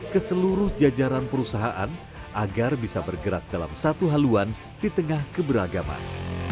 ke seluruh jajaran perusahaan agar bisa bergerak dalam satu haluan di tengah keberagaman